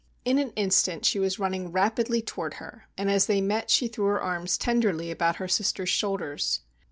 In an instant she was running rapidly toward her, and as they met she threw her arms tenderly about her sister's shoulders.